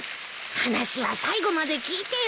話は最後まで聞いてよ。